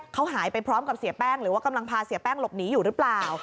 เขาหายไปพร้อมกับเสียแป้งหรือว่ากำลังพาเสียแป้งหลบหนีอยู่หรือเปล่า